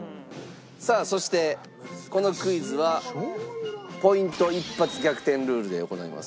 さあそしてこのクイズはポイント一発逆転ルールで行います。